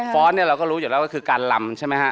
ฟ้อนเราก็รู้อยู่แล้วคือการลำใช่ไหมฮะ